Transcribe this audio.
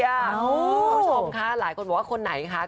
ชอบค่ะหลายคนบอกว่าคนไหนแหละค่ะ